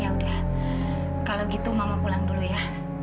yaudah kalau gitu mama pulang dulu ya